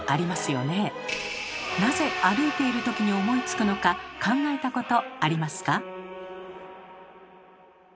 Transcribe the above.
なぜ歩いてるときに思いつくのか考えたことありますか？